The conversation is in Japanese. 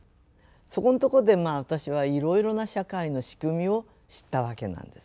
そこのところでまあ私はいろいろな社会の仕組みを知ったわけなんです。